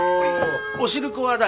お汁粉は誰？